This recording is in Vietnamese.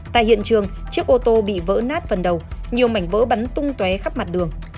tại hiện trường chiếc ô tô bị vỡ nát phần đầu nhiều mảnh vỡ bắn tung té khắp mặt đường